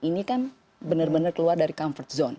ini kan benar benar keluar dari comfort zone